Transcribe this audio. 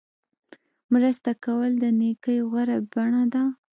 مرسته کول د نیکۍ غوره بڼه ده.